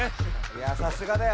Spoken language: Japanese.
いやさすがだよ。